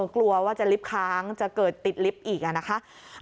กลัวว่าจะลิฟต์ค้างจะเกิดติดลิฟต์อีกนะคะ